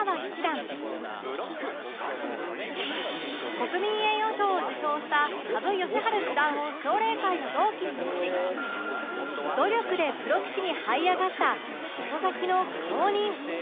国民栄誉賞を受賞した羽生善治九段を奨励会の同期に持ち努力でプロ棋士にはい上がった遅咲きの苦労人